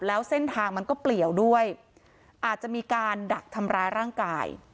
แล้วเส้นทางมันก็เปลี่ยวด้วยอาจจะมีการดักทำร้ายร่างกาย